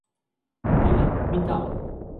ni la, mi tawa.